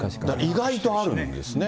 意外とあるんですね。